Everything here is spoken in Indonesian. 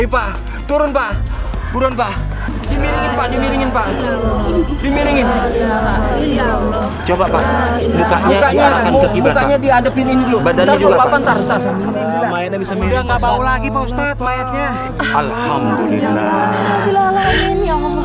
boknya juga sudah hilang